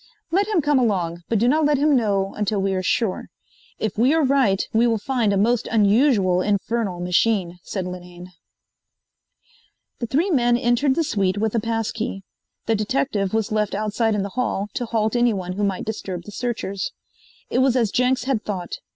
"Let him come along, but do not let him know until we are sure. If we are right we will find a most unusual infernal machine," said Linane. The three men entered the suite with a pass key. The detective was left outside in the hall to halt anyone who might disturb the searchers. It was as Jenks had thought.